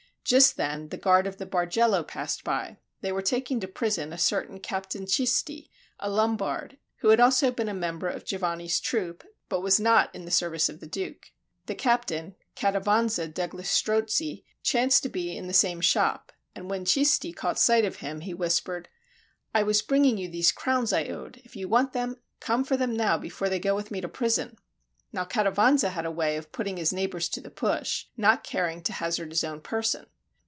Just then the guard of the Bargello passed by; they were taking to prison a certain Captain Cisti, a Lombard, who had also been a member of Giovanni's troop, but was not in the service of the Duke. The captain, Cattivanza degli Strozzi, chanced to be in the same shop; and when Cisti caught sight of him he whispered, "I was bringing you those crowns I owed; if you want them, come for them before they go with me to prison." Now Cattivanza had a way of putting his neighbors to the push, not caring to hazard his own person.